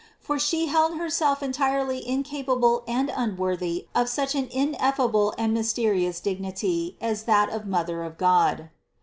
For She held Herself entirely incapable and unworthy of such an ineffable and mysterious dignity as that of Mother of God.